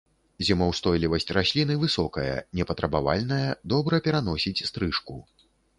Зімаўстойлівасць расліны высокая, непатрабавальная, добра пераносіць стрыжку.